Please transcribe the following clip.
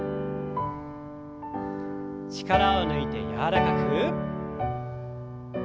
力を抜いて柔らかく。